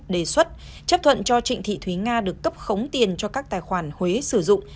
đề xuất chấp thuận cho trịnh thị thúy nga được cấp khống tiền cho các tài khoản huế sử dụng